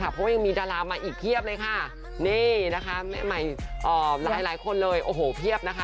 เพราะว่ายังมีดารามาอีกเพียบเลยค่ะนี่นะคะหลายคนเลยโอ้โหเพียบนะคะ